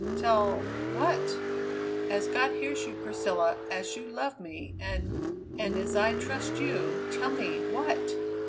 "Tell what? As God hears you, Priscilla, as you love me, and and as I trust you, tell me what?"